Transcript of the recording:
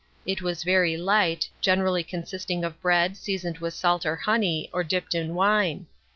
It was very light, generally consisting of bread, seasoned with salt or honey, or dipped in wine.